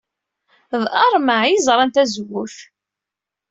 D Armin ay yerẓan tazewwut.